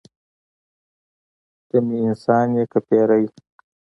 ته مې انسان یې که پیری.